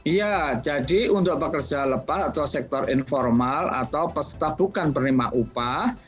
iya jadi untuk pekerja lepas atau sektor informal atau peserta bukan penerima upah